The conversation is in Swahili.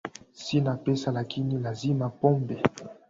Sina pesa lakini lazima pombe